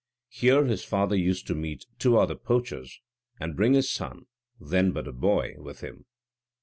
Here his father used to meet two other poachers, and bring his son, then but a boy, with him.